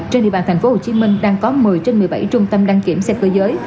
trên địa bàn tp hcm đang có một mươi trên một mươi bảy trung tâm đăng kiểm xe cơ giới